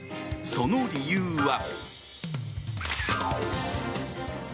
その理由は。